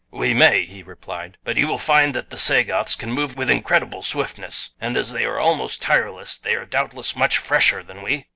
"We may," he replied; "but you will find that the Sagoths can move with incredible swiftness, and as they are almost tireless they are doubtless much fresher than we.